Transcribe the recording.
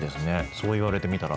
そう言われてみたら。